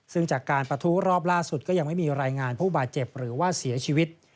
ซึ่งจากการประทุรอบล่าสุดก็ยังไม่มีรายงานผู้บาดเจ็บหรือว่าเสียชีวิต